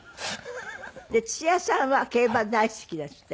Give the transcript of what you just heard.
土屋さんは競馬大好きですって？